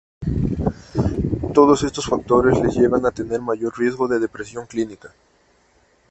Todos estos factores les llevan a tener mayor riesgo de depresión clínica.